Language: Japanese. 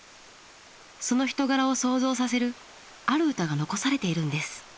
その人柄を想像させるある歌が残されているんです。